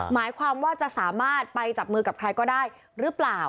หมายความว่าจะสามารถไปจับมือกับใครก็ได้หรือเปล่า